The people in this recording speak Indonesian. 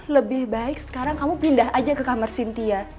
lebih baik sekarang kamu pindah aja ke kamar cynthia